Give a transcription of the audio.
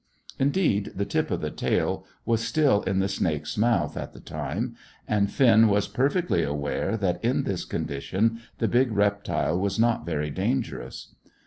Indeed, the tip of the tail was still in the snake's mouth at the time, and Finn was perfectly aware that in this condition the big reptile was not very dangerous.